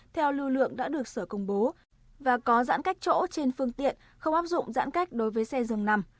theo lưu lượng đã được sở công bố và có giãn cách chỗ trên phương tiện không áp dụng giãn cách đối với xe dường nằm